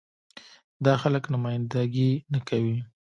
دا خلک نماينده ګي نه کوي.